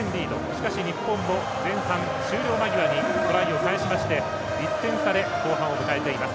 しかし、日本も前半終了間際にトライを返しまして１点差で後半を迎えています。